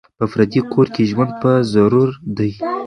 په پردي کور کي ژوند په ضرور دی